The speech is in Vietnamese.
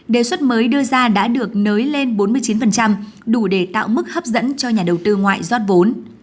đề xuất mới đưa ra đã được nới lên bốn mươi chín đủ để tạo mức hấp dẫn cho nhà đầu tư ngoại rót vốn